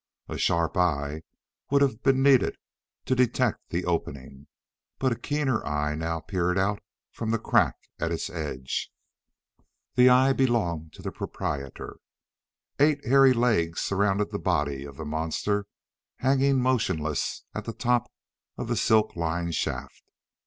A sharp eye would have been needed to detect the opening. But a keener eye now peered out from the crack at its edge. That eye belonged to the proprietor. Eight hairy legs surrounded the body of the monster hanging motionless at the top of the silk lined shaft.